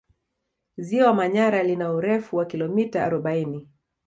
Ziwa Manyara lina urefu wa kilomita arobaini